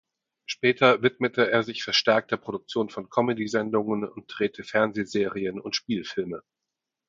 Später widmete er sich verstärkt der Produktion von Comedy-Sendungen und drehte Fernsehserien und Spielfilme.